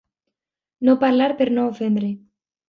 No parlar per no ofendre.